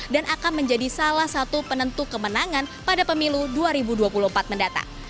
dan akan menjadi salah satu penentu kemenangan pada pemilu dua ribu dua puluh empat mendatang